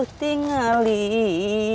tuh tinggal ini